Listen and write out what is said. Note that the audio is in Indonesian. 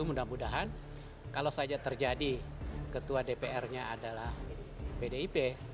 mudah mudahan kalau saja terjadi ketua dpr nya adalah pdip